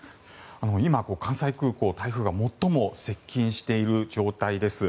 今、関西空港、台風が最も接近している状態です。